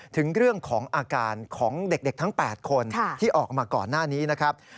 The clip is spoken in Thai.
ถึงเรื่องของอาการของเด็กทั้ง๘คนที่ออกมาก่อนหน้านี้นะครับ